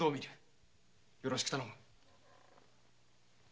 よろしく頼む。